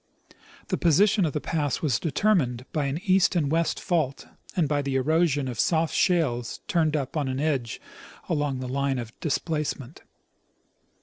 The position of the pass was determined by an east and west fault and by the erosion of soft shales turned up on edge along the line of displacement.